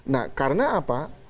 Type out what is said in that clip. nah karena apa